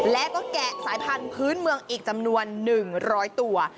และก็แกะสายพันธุ์พื้นเมืองอีกจำนวน๑๐๐ตัว